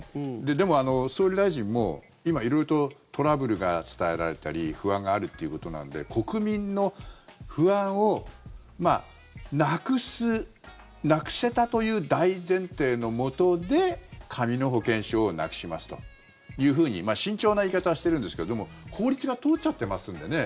でも総理大臣も、今、色々とトラブルが伝えられていたり不安があるということなんで国民の不安をなくすなくせたという大前提のもとで紙の保険証をなくしますというふうに慎重な言い方はしてるんですけどでも、法律が通っちゃってますんでね。